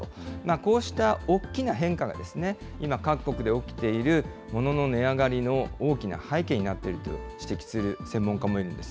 こうしたおっきな変化が今、各国で起きているものの値上がりの大きな背景になっていると指摘する専門家もいるんです。